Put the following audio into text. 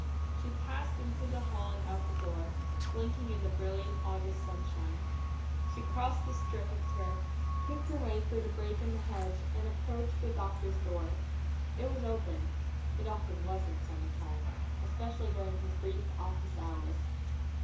She passed into the hall and out the door, blinking in the brilliant August sunshine. She crossed the strip of turf, picked her way through the break in the hedge, and approached the Doctor's door. It was open; it often was in summer time, especially during his brief office hours.